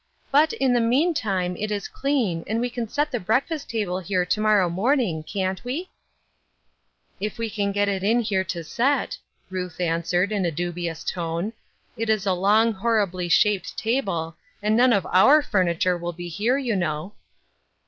But, in the meantime, it is clean, and we can set the breakfast table here to morrow morning, can't we ?"" If we can get it in here to set," Ruth answered, in a dubious tone. " It is a long, hor ribly shaped table, and none of our furniture will be here, you know."